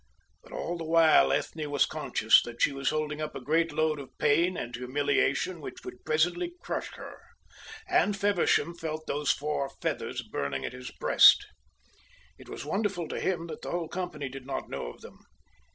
But all the while Ethne was conscious that she was holding up a great load of pain and humiliation which would presently crush her, and Feversham felt those four feathers burning at his breast. It was wonderful to him that the whole company did not know of them.